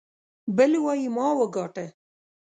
بل وايي ما وګاټه.